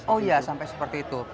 oh iya sampai seperti itu